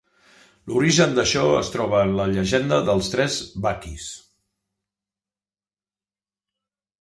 L'origen d'això es troba en la llegenda dels Tres Baquis.